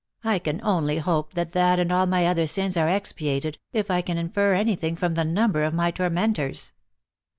I can only hope that that and all my other sins are expia ted, if 1 can infer any thing from the number of my tormentors."